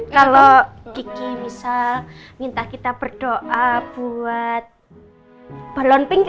kalau kiki bisa minta kita berdoa buat balon pink